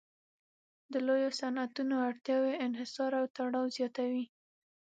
د لویو صنعتونو اړتیاوې انحصار او تړاو زیاتوي